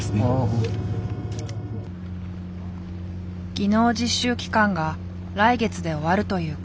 技能実習期間が来月で終わるという彼。